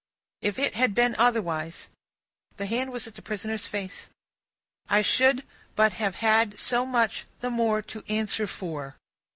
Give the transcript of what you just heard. If it had been otherwise;'" the hand was at the prisoner's face; "'I should but have had so much the more to answer for.